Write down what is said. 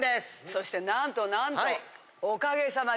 そしてなんとなんと。